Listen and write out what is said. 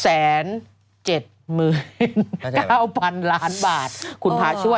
แสนเจ็ดเมือง๙๐๐๐ล้านบาทคุณพาช่วย